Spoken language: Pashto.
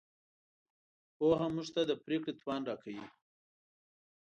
پوهه موږ ته د پرېکړې توان راکوي.